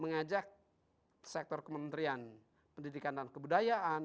mengajak sektor kementerian pendidikan dan kebudayaan